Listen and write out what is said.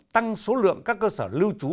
tăng số lượng các cơ sở lưu trú